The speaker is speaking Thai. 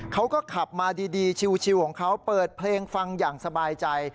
เขาก็ขับมาดีชิวของเขาเปิดเพลงฟังอย่างสบายใจ